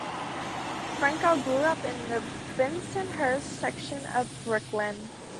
Franco grew up in the Bensonhurst section of Brooklyn.